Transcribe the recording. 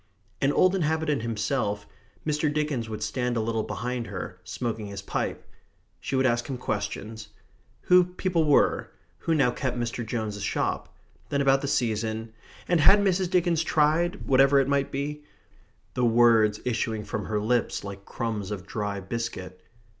An old inhabitant himself, Mr. Dickens would stand a little behind her, smoking his pipe. She would ask him questions who people were who now kept Mr. Jones's shop then about the season and had Mrs. Dickens tried, whatever it might be the words issuing from her lips like crumbs of dry biscuit.